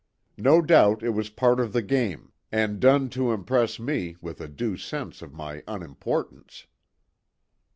No doubt it was part of the game, and done to impress me with a due sense of my unimportance."